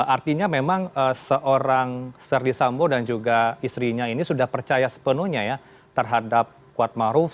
artinya memang seorang ferdi sambo dan juga istrinya ini sudah percaya sepenuhnya ya terhadap kuat maruf